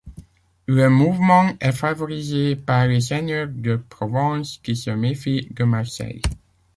Le mouvement est favorisé par les seigneurs de Provence qui se méfient de Marseille.